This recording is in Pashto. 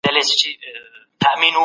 د سولي او ثبات لپاره خپلي هڅي ګړندی کړئ.